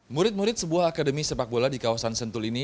murid murid sebuah akademi sepak bola di kawasan sentul ini